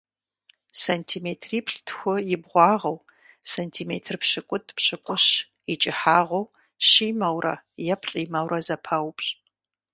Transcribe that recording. Сантиметриплӏ-тху и бгъуагъыу, сантиметр пщыкӏутӏ-пщыкӏущ и кӀыхьагъыу щимэурэ е плӀимэурэ зэпаупщӀ.